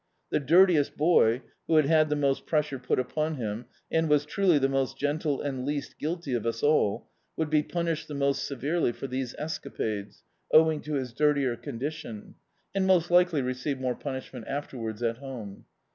The dirtiest boy, who had had the most pressure put upon him, and was truly the most gentle and least guilty of us all — would be punished the most severely for these esca pades, owing to his dirtier condition; and most likely receive more punishment afterwards at home.